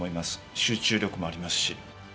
集中力もありますし。